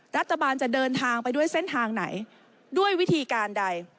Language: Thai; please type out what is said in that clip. รัฐบาลจะเดินทางไปด้วยเส้นทางไหนด้วยวิธีการใด